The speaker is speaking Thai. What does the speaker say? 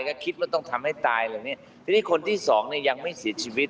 ก็คิดว่าต้องทำให้ตายทีนี้คนที่สองยังไม่เสียชีวิต